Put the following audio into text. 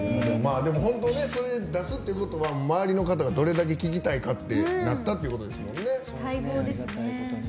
本当、出すっていうことは周りの方がどれだけ聴きたいかってなったってことですもんね。